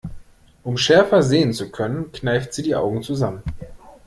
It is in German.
Um schärfer sehen zu können, kneift sie die Augen zusammen.